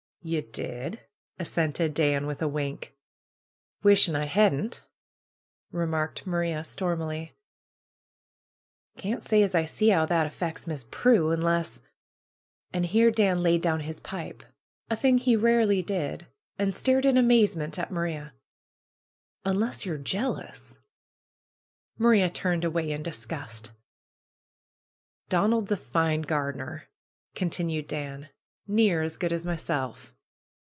"Ye did !" assented Dan with a wink. "Wisht I hadn't!" remarked Maria stormily. "Can't say as I see 'ow that affecks Miss Prue. Un less," and here Dan laid down his pipe, a thing he 208 PRUE'S GARDENER rarely did, and stared in amazement at Maria, ^^nnless ye're jealous." Maria turned away in disgust. '^Donald's a fine gardener !" continued Ban. ^^Near as good as myself."